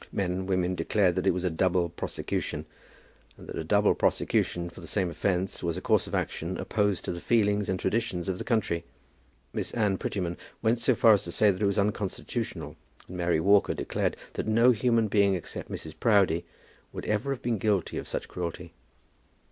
Men and women declared that it was a double prosecution, and that a double prosecution for the same offence was a course of action opposed to the feelings and traditions of the country. Miss Anne Prettyman went so far as to say that it was unconstitutional, and Mary Walker declared that no human being except Mrs. Proudie would ever have been guilty of such cruelty.